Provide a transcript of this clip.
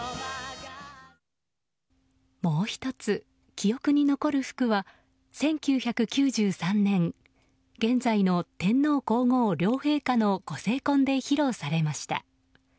もう１つ、記憶に残る服は１９９３年、現在の天皇・皇后両陛下のご成婚で披露されました。